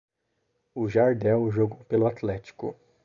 O Jardel jogou pelo Atlético.